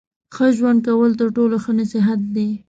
ښه ژوند کول تر ټولو ښه نصیحت دی.